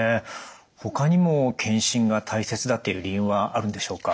ほかにも検診が大切だっていう理由はあるんでしょうか？